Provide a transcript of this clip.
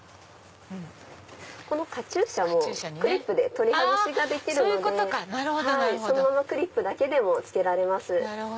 このカチューシャもクリップで取り外しができるのでそのままクリップだけでも着けられます。